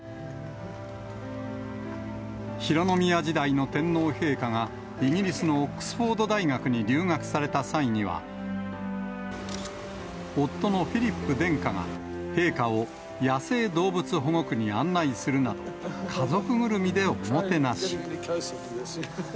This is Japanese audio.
浩宮時代の天皇陛下が、イギリスのオックスフォード大学に留学された際には、夫のフィリップ殿下が、陛下を野生動物保護区に案内するなど、家族ぐるみでおもてなし。